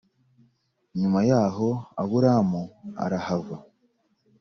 Nyuma yaho aburamu arahava